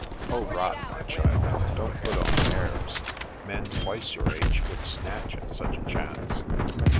"Oh, rot, my child. Don't put on airs. Men twice your age would snatch at such a chance."